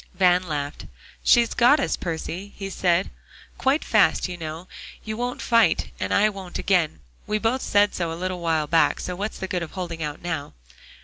Van laughed. "She's got us, Percy," he said, "quite fast. You know you won't fight, and I won't again; we both said so a little while back; so what's the good of holding out now?"